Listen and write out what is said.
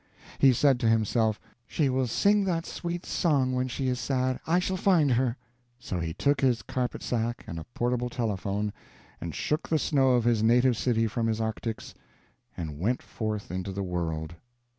He said to himself, "She will sing that sweet song when she is sad; I shall find her." So he took his carpet sack and a portable telephone, and shook the snow of his native city from his arctics, and went forth into the world.